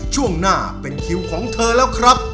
ช่วงหน้าเป็นคิวของเธอแล้วครับ